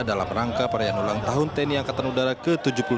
dalam rangka perayaan ulang tahun tni angkatan udara ke tujuh puluh satu